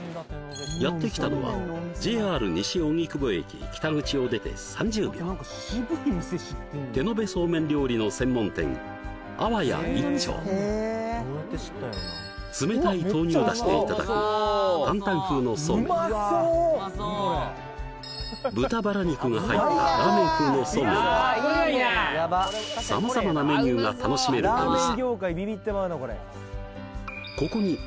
やって来たのはＪＲ西荻窪駅北口を出て３０秒手延べそうめん料理の専門店阿波や壱兆冷たい豆乳出汁でいただくタンタン風のそうめんや豚バラ肉が入ったラーメン風のそうめんなど楽しめるお店